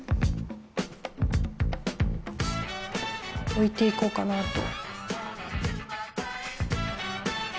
おいていこうかなと。